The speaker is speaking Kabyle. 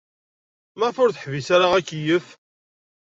Maɣef ur teḥbis ara akeyyef?